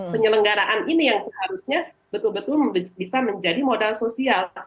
penyelenggaraan ini yang seharusnya betul betul bisa menjadi modal sosial